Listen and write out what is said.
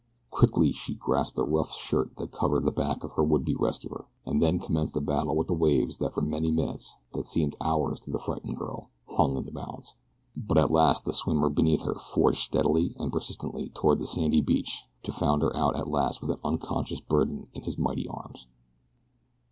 Quickly she grasped the rough shirt that covered the back of her would be rescuer, and then commenced a battle with the waves that for many minutes, that seemed hours to the frightened girl, hung in the balance; but at last the swimmer beneath her forged steadily and persistently toward the sandy beach to flounder out at last with an unconscious burden in his mighty arms.